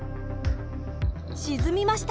沈みました。